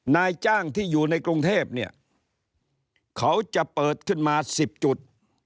นายจ้างที่อยู่ในกรุงเทพเนี่ยเขาจะเปิดขึ้นมา๑๐จุด